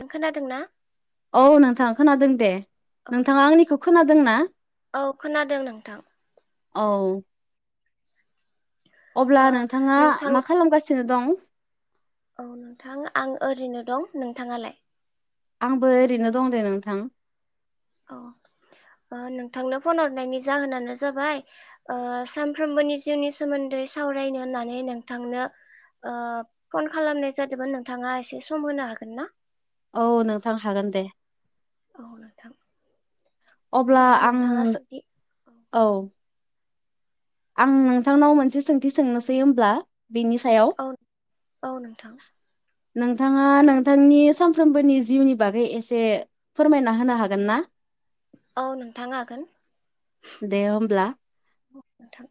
नों खोनादों ना? औ नोंथां खोनादों दे। औ नोंथाङा नोंथां आंनिखौ खोनादों ना? औ खोनादों नोंथां औ। अब्ला ओ नोंथाङा नोंथां मा खालामगासिनो दं? औ नोंथां आं ओरैनो दं। नोंथाङालाय? आंबो ओरैनो दं दे नोंथां। औ। ओ नोंथांनो फन हरनायनि जाहोनानो जाबाय ओ सामफ्रोमबोनि जिउनि सोमोन्दै सावरायनो होननानै नोंथांनो ओ फन खालामनाय जादोमोन नोंथाङा एसे सम होनो हागोन ना? औ नोंथां हागोन दे। औ नोंथां अब्ला नोंथाङा सोंथि औ आं नोंथांनाव मोनसे सोंथि सोंनोसै होमब्ला बेनि सायाव औ औ नोंथां। नोंथाङा नोंथांनि सामफ्रोमबोनि जिउनि बागै एसे फोरमायना होनो हागोन ना? औ नोंथां हागोन। दे होमब्ला अ नोंथां।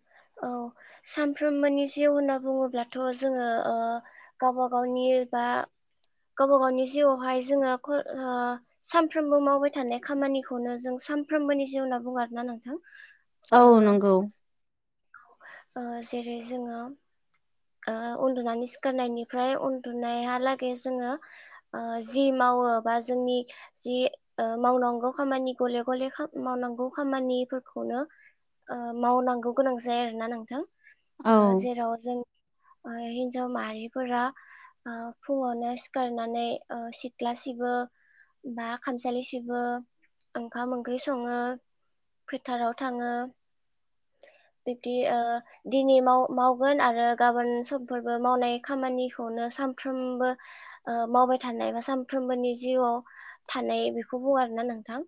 औ सामफ्रोमबोनि जिउ होनना बुङोब्लाथ' जोङो ओ गावबा गावनि बा गावबा गावनि जिउआवहाय जोङो ख ओ सामफ्रोमबो मावबाय थानाय खामानिखौनो जों सामफ्रोमबोनि जिउ होनना बुङो आरोना नोंथां। ओ औ नंगौ। ओ जेरै जोङो ओ उन्दुनानै सिखारनायनिफ्राय उन्दुनायहालागै जोङो ओं जिमाव मावो बा जोंनि जि ओ मावनांगौ खामानि गले गले खा मावनांगौ खामानि फोरखौनो ओ मावनांगौ गोनां जाया आरोना नोंथां औ ओ जेराव जों ओ हिन्जाव माहारिफोरा ओ फुङावनो सिखारनानै ओ सिथ्ला सिबो बा खामसालि सिबो ओंखाम ओंख्रि सङो फोथाराव थाङो। [inaudible] बिबदि ओ दिनै माव-मावगोन आरो गाबोन समफोरबो मावनाय खामानिखौनो सामफ्रामबो ओ मावबाय थानाय बा सामफ्रोमबोनि जिउआव थानाय बेखौ बुङा आर ना नोंथां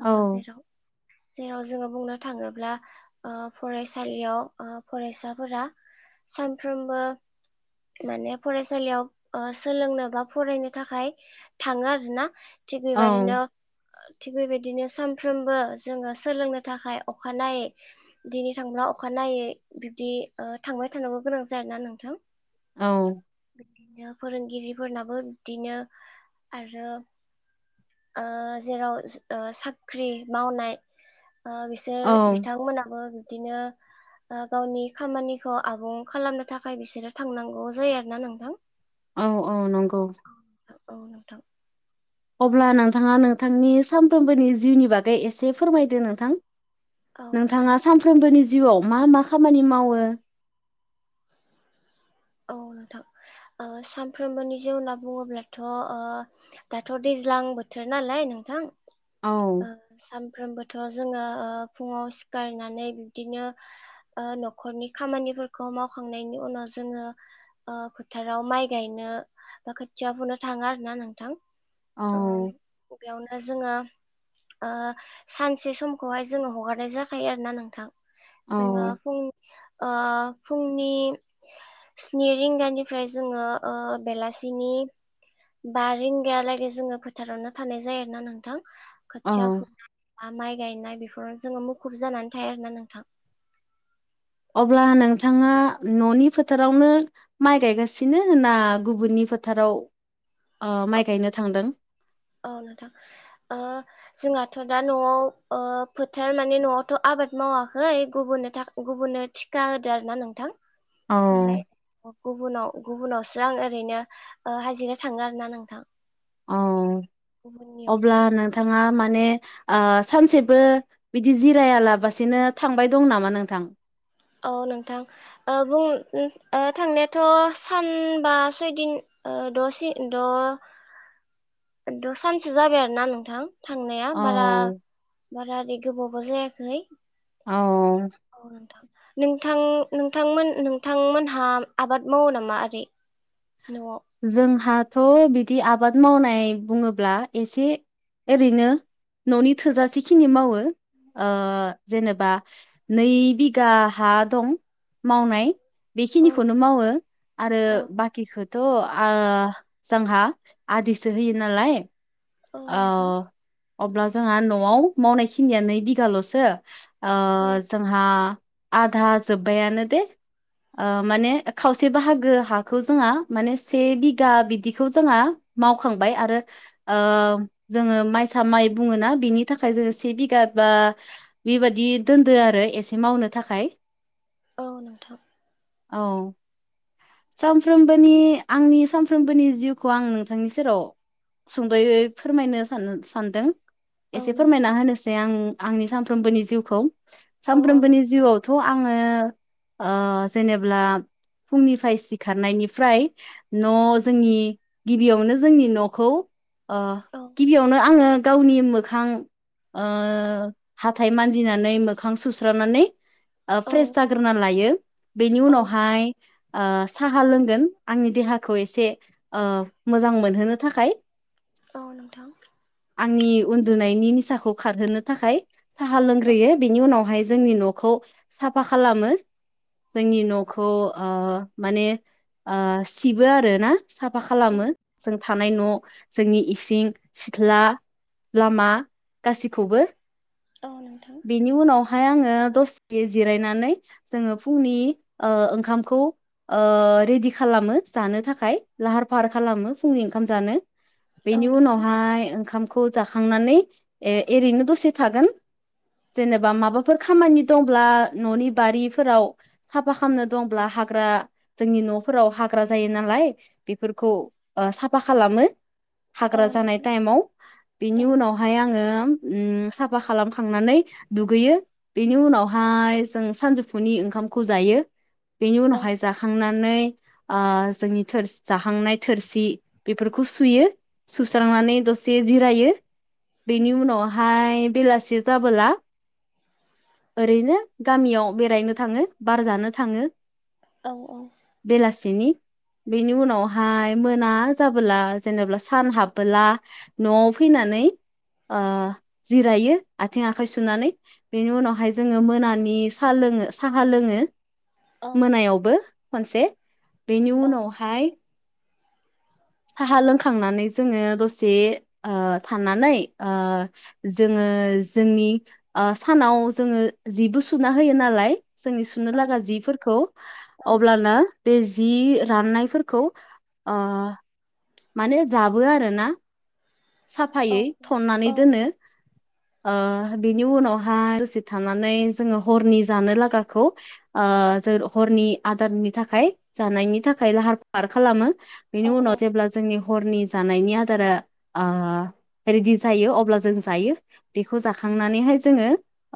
औ जेराव जेराव जोङो बुंनो थाङोब्ला ओ फरायसालियाव ओ फरायसाफोरा सामफ्रोमबो माने फरायसालियाव ओ सोलोंनो बा फरायनो थाखाय थाङो आरो ना। थिग औ बेबायदिनो ओ थिग बेबायदिनो सामफ्रोमबो जोङो सोलोंनो थाखाय अखानायै दिनै थांब्ला अखानायै बिबदि ओ थांबाय थानांगो गोनां जायोना नोंथां। औ बिदिनो फोरोंगिरिफोरनाबो बिदिनो आरो ओ जेराव ओ साख्रि मावनाय ओ बिसोर औ बिथांमोनाबो बिदिनो ओ गावनि खामानिखौ आबुं खालामनो थाखाय बिसोरो थांनांगौ जायो आरोना नोंथां औ औ नंगौ औ नोंथां अब्ला नोंथाङा नोंथांनि सानफ्रोमबोनि जिउनि बागै एसे फोरमायदो नोंथां औ नोंथां नोंथाङा सानफ्रोमबोनि जिउआव मा मा खामानि मावो? औ नोंथां ओ सानफ्रोमबोनि जिउ होनना बुङोब्लाथ'ओ दाथ' दै ज्लां बोथोर नालाय औ नोंथां सानफ्रामबोथ' जोङो ओ फुङाव सिखारनानै बिब्दिनो ओ न'खरनि खामानिफोरखौ मावखांनायनि उनाव जोङो ओ फोथाराव माइ गायनो बा खोथिया बोननो थाङा आरो ना नोंथां औ ओ बेयावनो जोङो ओ सानसे समखौहाय जोङो हगारनाय जाखायो आरोना नोंथां औ जोङो फुं ओ फुंनि स्नि रिंगानिफ्राय जोङो ओ बेलासिनि बा रिंगायालागै जोङो फोथारावनो थानाय जायोना नोंथां औ खोथिया फुनाय बा माइ गायनाय बेफोरावनो जोङो मुखुब जानानै थायो आरोना नोंथां अब्ला नोंथाङा न'नि फोथारावनो माइ गायगासिनो ना गुबुननि फोथाराव ओ माइ गायनो थांदों? औ नोंथां ओ जोंहाथ' दा न'आव ओ फोथार माने न'आवथ' आब आबाद मावाखै गुब गुबुननो थिखा होदो आरो ना नोंथां ओमफाय औ गुबुनाव गुबुनाव आं ओरैनो ओ हाजिरा थाङो आरो ना नोंथां औ गुबुननियाव अब्ला नोंथाङा मा माने ओ सानसेबो बिदि जिरायालाबसिनो थांबाय दं नामा नोंथां? औ नोंथां ओ बुं ओ थांनायाथ' सानबा सयदिन ओ दसे द द सानसो जाबाय आरो ना नोंथां थांनाया बारा औ बारा ओरै गोबावबो जायाखै औ औ नोंथां नोंथां नोंथांमोन नोंथांमोनहा आबाद मावो नामा ओरै न'आव जोंहाथ' बिदि आबाद मावनाय बुङोब्ला एसे ओरैनो न'नि थोजासेखिनि मावो ओ जेनेबा नै बिघा हा दं मावनाय औ बेखिनिखौनो मावो आरो औ बाखिखौ त' आ जोंहा आदिसो होयो नालाय औ ओ नोंथां अब्ला जोंहा न'आव मावनाय खिनिया नै बिघाल'सो ओ औ जोंहा आधा जोबबायानो दे ओ माने खावसे बाहागो हाखौ जोंहा माने से बिगा बिदिखौ जोंहा मावखांबाय आरो ओ जोङो मायसा माइ बुङो ना बेनि थाखाय जों से बिघा बा बेबादि दोनदों आरो एसे मावनो थाखाय औ नोंथां औ सामफ्रोमबोनि आंनि सामफ्रोमबोनि जिउखौ आं नोंथांनि सेराव सुंद'यै फोरमायनो सान सानदों औ एसे नोंथां फोरमायना होनोसै आं आंनि सामफ्रोमबोनि जिउखौ। औ औ सामफ्रोमबोनि नोंथां जिउआवथ' आङो ओ जेनेब्ला फुंनिफाय सिखारनायनिफ्राय न' जोंनि गिबियावनो जोंनि न'खौ अ औ गिबियावनो आङो गावनि मोखां ओ हाथाय मानजिनानै मोखां सुस्रानानै ओ औ फ्रेस जाग्रोना लायो बेनि औ उनावहाय ओ साहा लोंगोन आंनि देहाखौ एसे ओ मोजां मोनहोनो थाखाय। औ नोंथां। आंनि उन्दुनायनि निसाखौ खारहोनो थाखाय साहा औ लोंग्रोयो बेनि उनावहाय जोंनि न'खौ साफा खालामो। जोंनि न'खौ ओ माने ओ सिबो आरो ना। साफा औ खालामो जों थानाय न' जोंनि इस सिं, सिथ्ला, लामा गासिखौबो औ नोंथां औ नोंथां बिनि उनाव हाय आङो दसे जिरायनानै जोङो फुंनि ओ ओंखामखौ ओ रेडि खालामो जानो थाखाय लाहार फाहार खालामो फुंनि ओंखाम जानो। बेनि औ उनावहाय ओंखामखौ जाखांनानै ए एरैनो दसे थागोन जेनेबा माबाफोर खामानि दंब्ला न'नि बारिफोराव साफा खामनो दंब्ला हा हाग्रा जोंनि न'फोराव हाग्रा जायो नालाय बेफोरखौ ओ साफा खालामो। हाग्रा जानाय नोंथां टाइमाव बिनि औ उनावहाय आङो उम साफा खालामखांनानै दुगैयो बेनि उनावहाय जों सानजौफुनि ओंखा मखौ जायो। बेनि औ उनावहाय जाखांनानै ओ जोंनि थोर जाहांनाय थोरसि बेफोरखौ सुयो। सुस्रांनानै दसे जिरायो। बेनि उनावहाय बेलासि जाबोला ओरैनो गामियाव बेरायनो थाङो बार जानो थाङो। औ बेलासिनि बेनि उनावहाय मोना जाबोला जेनेबा सान हाबबोला नवाव फैनानै ओ जिरायो आथिं आखाइ सुनानै बेनि उनावहाय जोङो मोनानि सा लो लोङो साहा लोङो। औ मोनायावबो खनसे बेनि उनावहाय साहा लोंखांनानै जोङो दसे थानानै जोङो ओ जोंनि ओ सानाव जोङो जिबो सुना होयो नालाय। जोंनि सुनो औ लागा जिफोरखौ औ अब्लाना बे जि राननायफोरखौ आ माने जाबो आरोना। साफायै थननानै दोनो। ओ बिनि उनावहाय दसे थानानै जोङो हरनि जानो लागाखौ ओ ओ जर हरनि आदारनि थाखाय जानायनि थाखाय लाहार फाहार खालामो। बेनि उनाव औ जेब्ला जोंनि हरनि जानायनि आदारा आ रेडि जायो अब्ला जों जायो बेखौ जाखांनानैहाय जोङो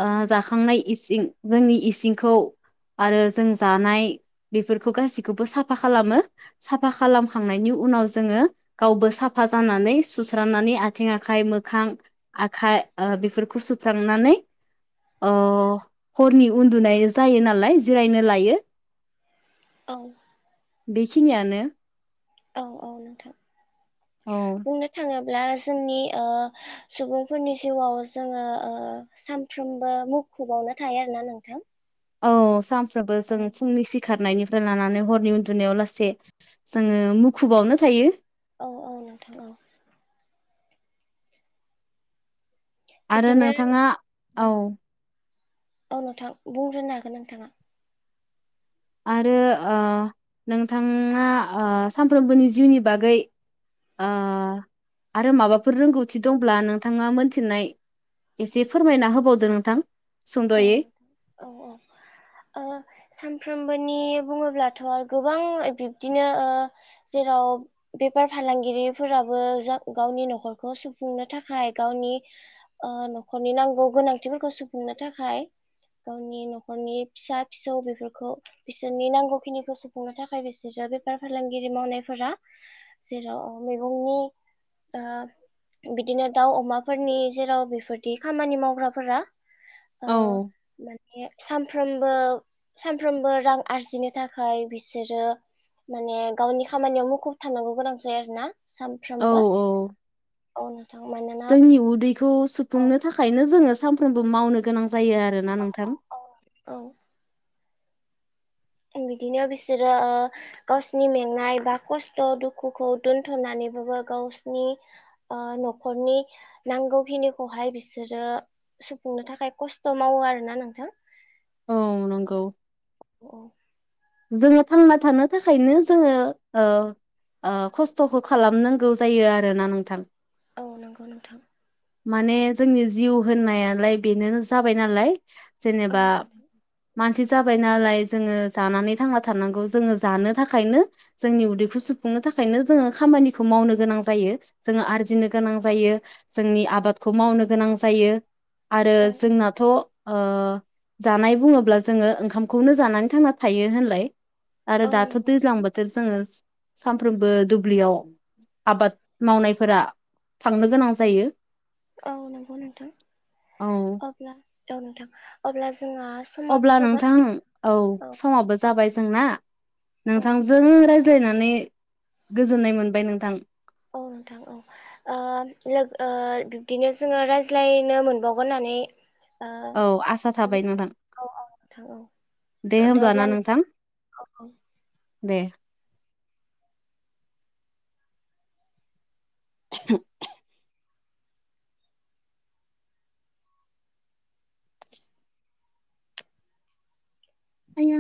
ओ जाखांनाय इसि इं जोंनि इसिंखौ आरो जों जानाय बेफोरखौ गासैखौबो साफा खालामो साफा खालामखांनायनि उनाव जोङो गावबो साफा जानानै सुस्रांनानै आथिं आखाइ मोखां आखाइ ओ बेफोरखौ सुफ्रांनानै औ हरनि उन्दुनाय जायो नालाय जिरायनो लायो। औ बेखिनियानो औ औ नोंथां औ बुंनो थाङो ब्ला जोंनि ओ सुबुंफोरनि जिउआव जोङो ओ सानफ्रोमबो मु खुबावनो थायो आरोना नोंथां औ सानफ्रोबो औ जों फुंनि सि खारनायनिफ्राय लानानै हरनि उन्दुनायाव लासै जोङो मुखुबावनो थायो। औ औ नोंथां औ आरो बिदिनो नोंथाङा औ औ नोंथां बुंग्रोनो हागोन नोंथाङा आरो ओ नोंथाङा ओ सानफ्रोमबोनि जिउनि बागै ओ आरो माबाफोर रोंगौथि दंब्ला नोंथाङा मोनथिनाय एसे फोरमायना होबावदो नोंथां सुंद'यै औ-औ-औ ओ सान फ्रोमबोनि बुङोब्लाथ' गोबां बिब्दिनो ओ जेराव बेफार फा लांगिरिफोराबो गावनि न'खरखौ सुफुंनो थाखाय गावनि ओ न'खर नि नांगौ गोनांथिफोरखौ सुफुंनो थाखाय गावनि न'खरनि फिसा फिसौ बेफोरखौ बिसोरनि नांगौ खिनिखौ सुफुंनो थाखाय बेसोर जों बेफार फालांगिरि मावनायफोरा जेराव मैगंनि ओ बिदिनो दाउ अमाफोरनि जेराव बेफोरदि खामानि मावग्राफोरा ओ औ माने सानफ्रोमबो सानफ्रोमबो रां आरजिनो थाखाय बिसोरो माने गावनि खामानियाव मुखुब थाननांगौ गोनां जायो आरो ना औ-औ औ नोंथां मानोना जोंनि उदैखौ औ सुफुंनो थाखायनो जोङो सानफ्रामबो मावनो गोनां जायो आरोना नोंथां औ औ बिदिनो बिसोरो गावसिनि मेंनाय बा खस्थ' दुखुखौ दोनथ'नानै बो गावसिनि न'खरनि नांगौखिनिखौहाय बिसोरो सुफुंनो थाखाय खस्थ' मावो आरोना नोंथां औ नंगौ अ जोङो थांना थानो थाखायनो जोङो ओ ओ खस्थ'खौ खालामनांगौ जायो आरोना नोंथां औ नंगौ नोंथां माने जोंनि जिउ होननायालाय बेनो जाबाय नालाय औ जेनेबा नोंथां मानसि जाबाय नालाय जोङो जानानै थांना थानांगौ जोङो जानो थाखायनो जोंनि उदैखौ सुफुंनो थाखायनो जोङो खामानिखौ मावनो गोनां जायो जोङो आरजिनो गोनां जायो जोंनि आबादखौ मावनो गोनां जायो आरो औ जोंनाथ' ओ जानाय बुङोब्ला जोङो ओंखामखौनो जानानै थांना थायो होनलाय आरो औ दाथ' नंगौ दैज्लां नोंथां बोथोर जोङो सानफ्रोमबो दुब्लियाव आबाद मावनायफोरा थांनो गोनां जायो औ नंगौ नोंथां औ अब्ला औ नोंथां अब्ला जोंहा समाबो अब्ला जाबाय नोंथां औ समाबो औ जाबाय जोंना औ नोंथांजों रायज्लायनानै गोजोननाय मोनबाय नोंथां औ नोंथां औ ओ लोगो बिदिनो जोङो रायज्लायनो मोनबावगोन होन नानै औ आसा थाबाय नोंथां औ नोंथां औ दे दा अब्ला होमब्लाना नोंथां नों दे [unintelligible] आया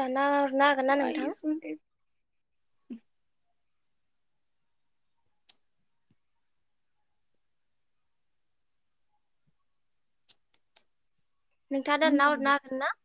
दानना हरनो हागोनना नोंथां? नोंथाङा दानना आया हरनो हागोनना?